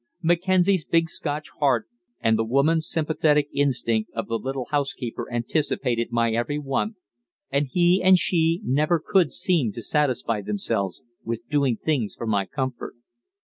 Mackenzie's big Scotch heart and the woman's sympathetic instinct of the little housekeeper anticipated my every want, and he and she never could seem to satisfy themselves with doing things for my comfort.